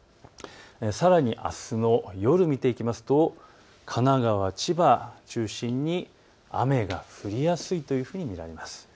さらにあすの夜を見ていきますと神奈川、千葉を中心に雨が降りやすい天気になります。